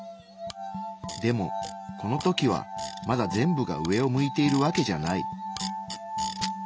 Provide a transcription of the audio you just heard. でもこの時はまだ全部が上を向いているわけじゃない。